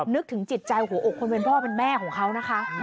นึกถึงจิตใจหัวอกคนเป็นพ่อเป็นแม่ของเขานะคะ